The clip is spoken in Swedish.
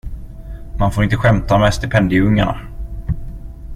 Man får inte skämta med stipendieungarna!